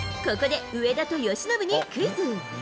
ここで上田と由伸にクイズ。